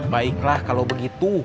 baiklah kalau begitu